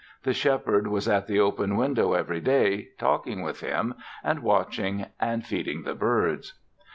The Shepherd was at the open window every day, talking with him and watching and feeding the birds.